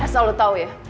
asal lo tau ya